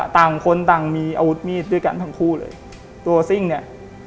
ต่างคนต่างมีอาวุธมีดด้วยกันทั้งคู่เลยตัวซิ่งเนี่ย